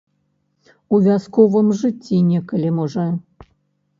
У вясковым жыцці некалі, можа?